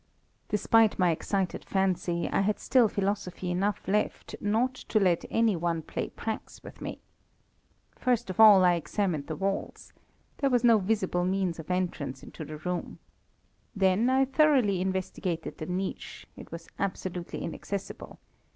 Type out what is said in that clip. Despite my excited fancy I had still philosophy enough left not to let any one play pranks with me. First of all I examined the walls; there was no visible means of entrance into the room. Then I thoroughly investigated the niche; it was absolutely inaccessible.